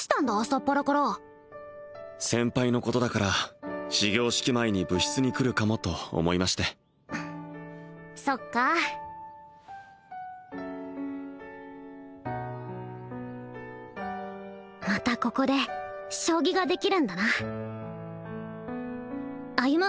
朝っぱらから先輩のことだから始業式前に部室に来るかもと思いましてそっかまたここで将棋ができるんだな歩